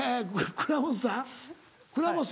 倉本さん。